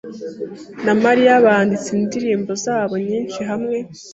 na Mariya banditse indirimbo zabo nyinshi hamwe.